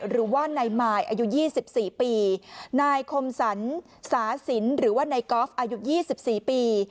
หรือว่าในมายอายุยี่สิบสี่ปีนายคมสันสาศิลป์หรือว่าในกอล์ฟอายุยี่สิบสี่ปี